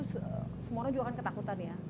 semua orang juga akan ketakutan ya